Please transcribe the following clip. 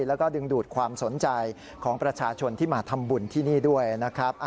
แล้วก็ดึงดูดความสนใจของประชาชนที่มาทำบุญที่นี่ด้วยนะครับ